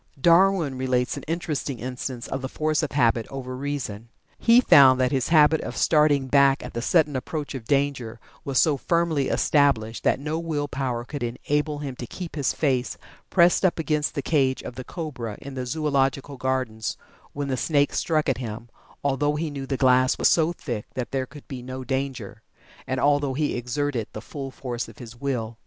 Darwin relates an interesting instance of the force of habit over the reason. He found that his habit of starting back at the sudden approach of danger was so firmly established that no will power could enable him to keep his face pressed up against the cage of the cobra in the Zoological Gardens when the snake struck at him, although he knew the glass was so thick that there could be no danger, and although he exerted the full force of his will.